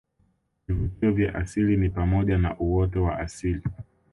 Vivutio vya asili ni pamoja na uoto wa asili